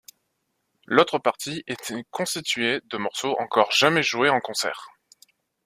L'autre partie était constituée de morceaux encore jamais joués en concert.